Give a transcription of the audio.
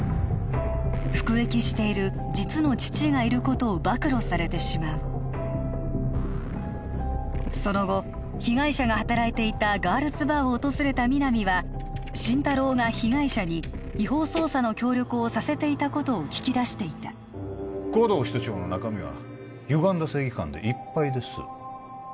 服役している実の父がいることを暴露されてしまうその後被害者が働いていたガールズバーを訪れた皆実は心太朗が被害者に違法捜査の協力をさせていたことを聞き出していた護道室長の中身はゆがんだ正義感でいっぱいです